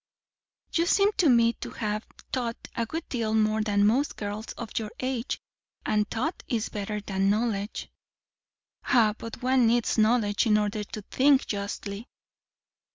"You seem to me to have thought a good deal more than most girls of your age; and thought is better than knowledge." "Ah, but one needs knowledge in order to think justly."